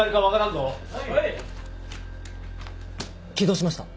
起動しました。